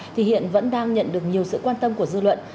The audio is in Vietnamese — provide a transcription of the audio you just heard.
thì hiện vẫn đang nhận được nhiều sự quan tâm của dư luận